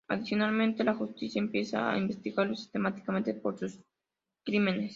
Adicionalmente la justicia empieza a investigarlo sistemáticamente por sus crímenes.